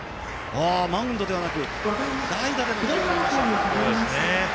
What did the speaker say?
マウンドではなく代打での起用となりました。